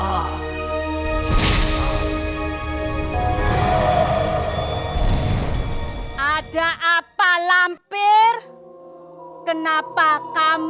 dan adalah karyawan yang bisa menderitakan